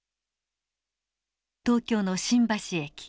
東京の新橋駅。